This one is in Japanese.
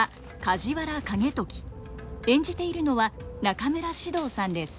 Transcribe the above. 演じているのは中村獅童さんです。